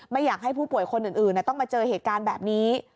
ไม่อยากให้ผู้ป่วยคนอื่นต้องมาเจอเหตุการณ์แบบนี้